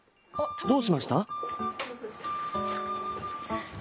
どうしました？え？